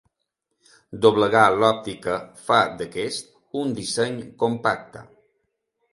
Doblegar l'òptica fa d'aquest un disseny compacte.